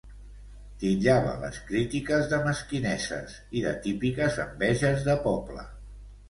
Titllava les crítiques de ‘mesquineses’ i de ‘típiques enveges de poble’.